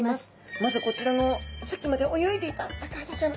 まずこちらのさっきまで泳いでいたアカハタちゃん。